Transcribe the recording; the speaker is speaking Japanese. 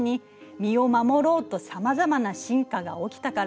身を守ろうとさまざまな進化が起きたから。